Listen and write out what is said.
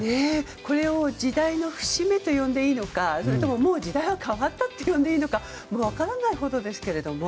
これを時代の節目と呼んでいいのかそれとも、もう時代は変わったと言っていいのか分からないほどですけども。